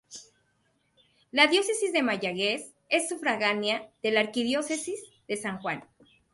La Diócesis de Mayagüez es sufragánea de la Arquidiócesis de San Juan.